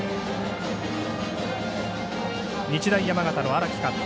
日大山形の荒木監督